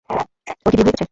ওর কি বিয়ে হয়ে গেছে?